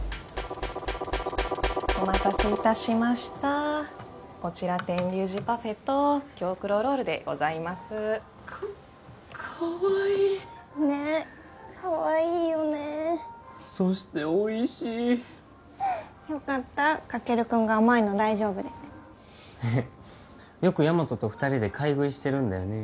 お待たせいたしましたこちら天龍寺パフェと京黒ロールでございますかかわいいねえかわいいよねそしておいしいよかったカケル君が甘いの大丈夫でヘヘッよくヤマトと二人で買い食いしてるんだよね